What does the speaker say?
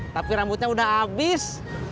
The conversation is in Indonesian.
tapi rambutnya udah abis